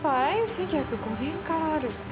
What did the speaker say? １９０５年からあるって。